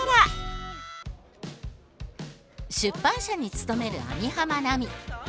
出版社に勤める網浜奈美。